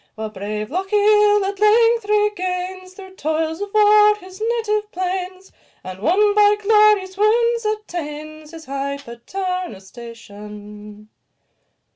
While brave Lochiel at length regains, Through toils of war, his native plains, And, won by glorious wounds, attains His high paternal station.